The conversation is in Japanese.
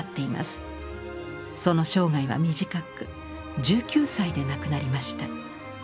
その生涯は短く１９歳で亡くなりました。